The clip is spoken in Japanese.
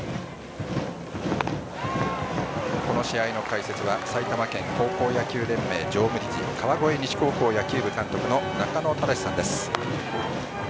この試合の解説は埼玉県高校野球連盟常務理事川越西高校野球部監督の中野忠司さんです。